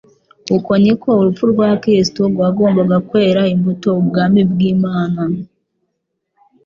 Uko niko urupfu rwa Kristo rwagombaga kwerera imbuto ubwami bw'Imana.